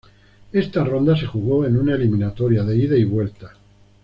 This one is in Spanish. Esta ronda se jugó en una eliminatoria de ida y vuelta.